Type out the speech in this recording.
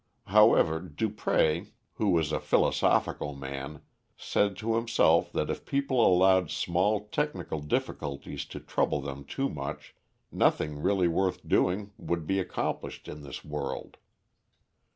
However, Dupré, who was a philosophical man, said to himself that if people allowed small technical difficulties to trouble them too much, nothing really worth doing would be accomplished in this world.